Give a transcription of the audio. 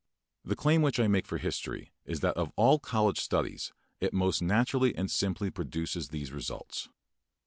The claim which I make for history is that of all college studies it most naturally and simply produces these results.